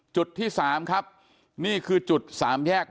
จุดที่๓ครับนี่คือจุดสามแยก